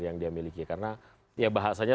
yang dia miliki karena ya bahasanya